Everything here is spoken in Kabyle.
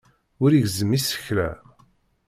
Ur igezzem isekla.